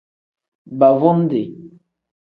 Baavundi.